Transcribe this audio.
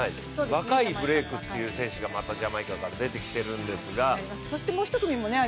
若いブレイクというのがまたジャマイカから出てきているんですが。